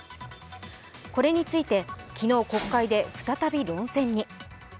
これについて、昨日、国会で再び論戦に。